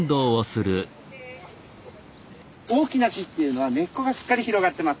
大きな木っていうのは根っこがしっかり広がってます。